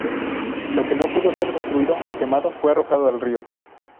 Lo que no pudo ser destruido o quemado fue arrojado al río.